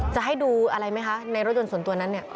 จะให้ดูอะไรไหมคะในรถยนต์ส่วนตัวนั้นเนี่ย